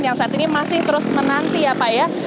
yang saat ini masih terus menanti ya pak ya